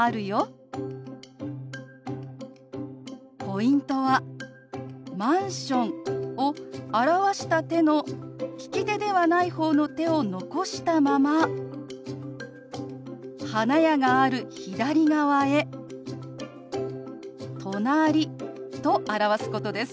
ポイントはマンションを表した手の利き手ではない方の手を残したまま花屋がある左側へ「隣」と表すことです。